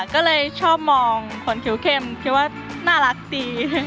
ก็เลยชอบมองคนคิ้วเข้มคิ้วว่าน่ารักติ๊